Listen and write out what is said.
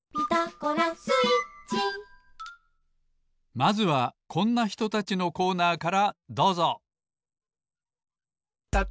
まずはこんなひとたちのコーナーからどうぞ。